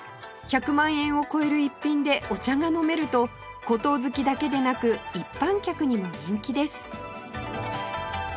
１００万円を超える逸品でお茶が飲めると骨董好きだけでなく一般客にも人気です